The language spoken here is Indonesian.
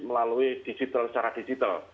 melalui digital secara digital